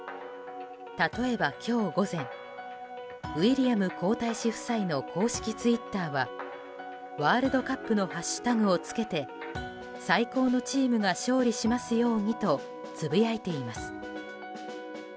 例えば今日午前ウィリアム皇太子夫妻の公式ツイッターはワールドカップのハッシュタグをつけて最高のチームが勝利しますようにとつぶやいています。